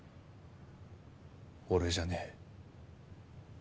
俺じゃねえ。